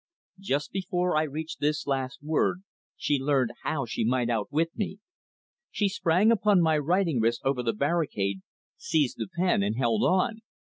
Just before I reached this last word she learned how she might outwit me. She sprang upon my writing wrist over the barricade, seized the pen, and held on.